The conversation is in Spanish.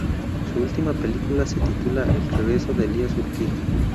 Su última película se titula "El regreso de Elías Urquijo".